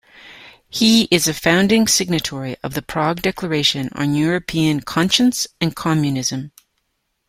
He is a founding signatory of the Prague Declaration on European Conscience and Communism.